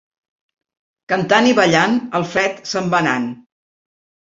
Cantant i ballant el fred se'n va anant.